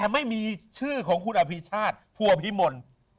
แต่ไม่มีชื่อของคุณอภิชาธิ์ภัวพิมนต์